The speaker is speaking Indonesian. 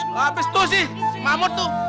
lapis tuh si mamut tuh